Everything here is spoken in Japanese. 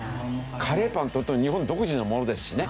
カレーパンっていうと日本独自のものですしね。